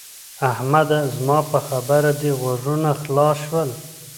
احمده! زما په خبره دې غوږونه خلاص شول؟